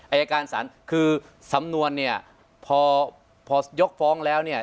อายการศาลคือสำนวนเนี่ยพอพอยกฟ้องแล้วเนี่ย